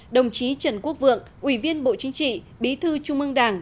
đồng chí trần quốc vượng ủy viên bộ chính trị bí thư trung ương đảng